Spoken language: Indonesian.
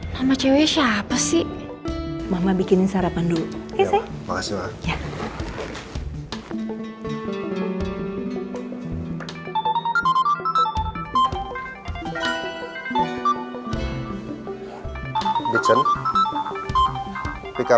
nah aku beli tuh sorotan se evolved hati